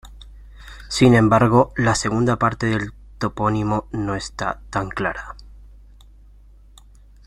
Sin embargo, la segunda parte del topónimo no está tan clara.